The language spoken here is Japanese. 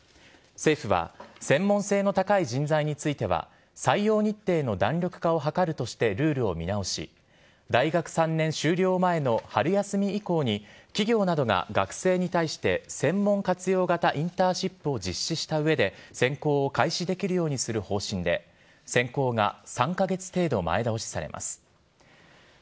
政府は専門性の高い人材については採用日程の弾力化を図るとしてルールを見直し大学３年終了前の春休み以降に企業などが学生に対して専門活用型インターンシップを実施した上で選考を開始できるようにする方針で選考が３カ月程度前倒しされます。